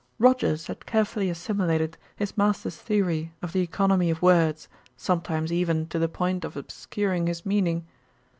Rogers had carefully assimilated his master's theory of the economy of words, sometimes even to the point of obscuring his meaning.